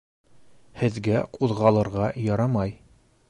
Һеҙгә ҡуҙғалырға ярамай.